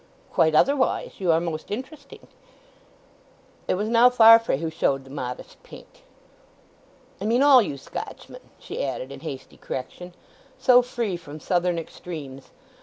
"Quite otherwise. You are most interesting." It was now Farfrae who showed the modest pink. "I mean all you Scotchmen," she added in hasty correction. "So free from Southern extremes.